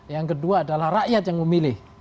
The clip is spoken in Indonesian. yang kedua adalah rakyat yang memilih